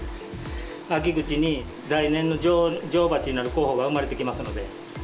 秋口に来年の女王バチになる候補が生まれてきますので。